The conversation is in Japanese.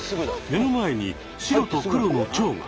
目の前に白と黒のチョウが！